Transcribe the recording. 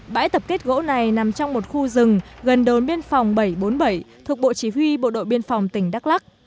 bãi tập kết gỗ này nằm trong một khu rừng gần đồn biên phòng bảy trăm bốn mươi bảy thuộc bộ chỉ huy bộ đội biên phòng tỉnh đắk lắc